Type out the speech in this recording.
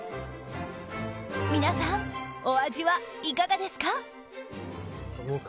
皆さん、お味はいかがですか？